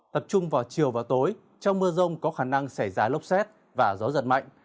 tập trung vào chiều và tối trong mưa rông có khả năng xảy ra lốc xét và gió giật mạnh